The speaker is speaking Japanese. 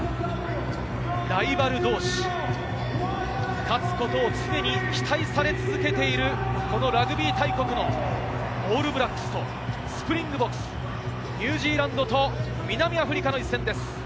ライバル同士、勝つことを常に期待され続けているラグビー大国のオールブラックスとスプリングボクス、ニュージーランドと南アフリカの一戦です。